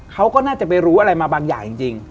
เขาก็น่าจะไปรู้อะไรมาบางอย่างจริง